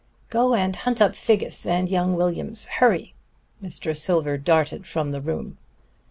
"Go and hunt up Figgis and young Williams. Hurry!" Mr. Silver darted from the room.